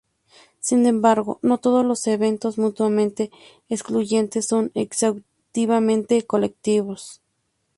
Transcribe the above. Sin embargo, no todos los eventos mutuamente excluyentes son exhaustivamente colectivos.